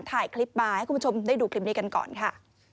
ถ่ายคลิปมาให้คุณผู้ชมได้ดูคลิปนี้กันก่อนค่ะ